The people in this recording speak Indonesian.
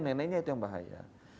neneknya itu yang bahaya